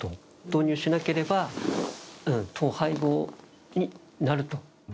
導入しなければ、統廃合になると。